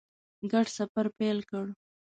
ګډ سفر پیل کړ.